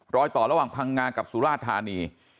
รอยต่อระหว่างพังงากับสุราธานี